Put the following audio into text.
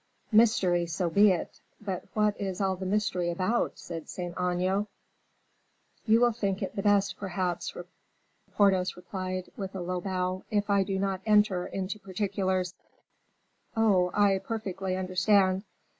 "Mystery, so be it; but what is all the mystery about?" said Saint Aignan. "You will think it the best, perhaps," Porthos replied, with a low bow, "if I do not enter in to particulars." "Oh, I perfectly understand.